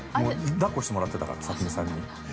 だっこもしてらってたから、里見さんに。